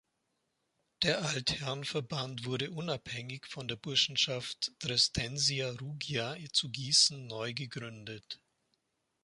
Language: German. Der Altherrenverband wurde unabhängig von der Burschenschaft Dresdensia-Rugia zu Gießen neu gegründet.